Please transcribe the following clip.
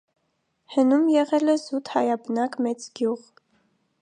Հնում եղել է զուտ հայաբնակ մեծ գյուղ։